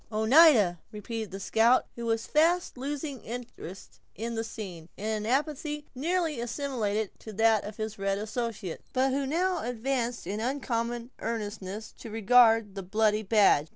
"Oneida!" repeated the scout, who was fast losing his interest in the scene, in an apathy nearly assimilated to that of his red associates, but who now advanced in uncommon earnestness to regard the bloody badge.